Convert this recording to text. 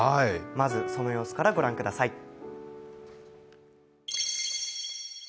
まずその様子から御覧ください。